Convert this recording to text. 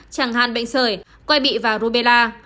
chẳng hạn bệnh sởi quay bị và rubella